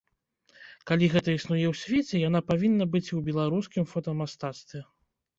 Калі гэта існуе ў свеце, яна павінна быць і ў беларускім фотамастацтве!